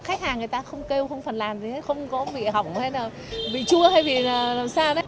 khách hàng người ta không kêu không phần làm gì hay không có bị hỏng hay là bị chua hay vì là làm sao đấy